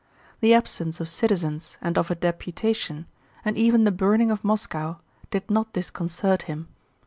The absence of citizens and of a deputation, and even the burning of Moscow, did not disconcert him.